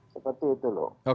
seperti itu loh